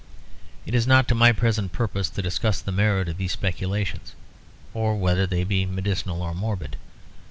It is not to my present purpose to discuss the merit of these speculations, or whether they be medicinal or morbid.